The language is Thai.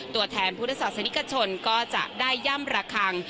ตัวแทนพุทธศาสนิกชนก็จะได้ย่ำระคัง